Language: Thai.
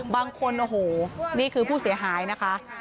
บางคนโอ้โหนี่คือผู้เสียหายนะคะ